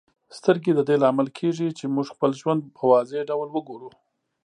سترګې د دې لامل کیږي چې موږ خپل ژوند په واضح ډول وګورو.